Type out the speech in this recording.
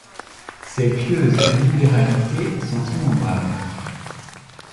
Ses pieuses libéralités sont innombrables.